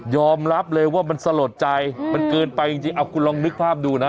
อมรับเลยว่ามันสลดใจมันเกินไปจริงเอาคุณลองนึกภาพดูนะ